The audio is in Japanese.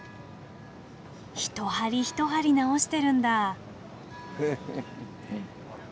一針一針直してるんだ。